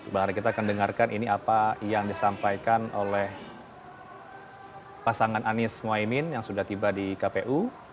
bang hari kita akan dengarkan ini apa yang disampaikan oleh pasangan anies mohaimin yang sudah tiba di kpu